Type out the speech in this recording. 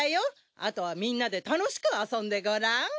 あとはみんなで楽しく遊んでごらん。